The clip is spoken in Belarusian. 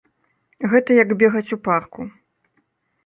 Гэта як бегаць у парку.